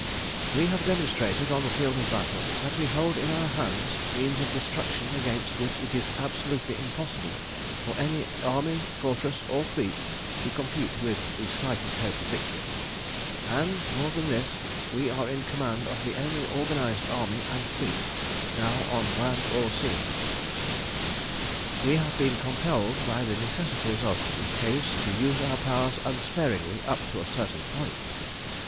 "We have demonstrated on the field of battle that we hold in our hands means of destruction against which it is absolutely impossible for any army fortress or fleet to compete with the slightest hope of victory; and more than this, we are in command of the only organised army and fleet now on land or sea. We have been compelled by the necessities of the case to use our powers unsparingly up to a certain point.